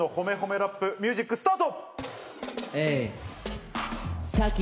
ラップミュージックスタート！